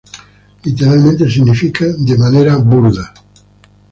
Literalmente significa "de manera burda".